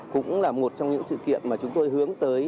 cũng là một trong những sự kiện mà chúng tôi hướng tới